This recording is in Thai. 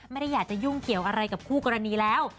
ไม่ได้อยากจะยุ่งเกี่ยวอะไรกับคู่กรณีแล้ว